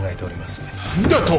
何だと！？